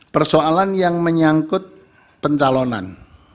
persoalan yang menyangkut pencalonan